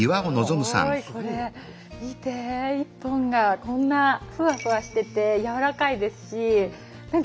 すごいこれ見て１本がこんなふわふわしてて柔らかいですし何か作りたくなるね。